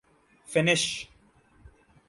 Finnish